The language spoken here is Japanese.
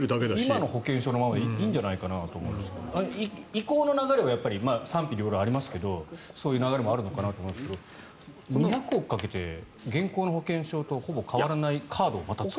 今の保険証のほうがいいんじゃないかと思いますが移行の流れは賛否両論ありますけどそういう流れもあるのかなと思いますけど２００億かけて現行の保険証とほぼ変わらないカードを作る。